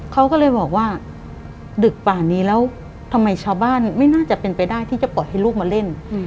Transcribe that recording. เขาก็เลยบอกว่าดึกกว่านี้แล้วทำไมชาวบ้านไม่น่าจะเป็นไปได้ที่จะปล่อยให้ลูกมาเล่น